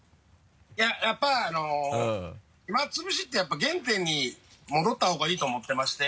いややっぱ暇つぶしってやっぱ原点に戻った方がいいと思ってまして。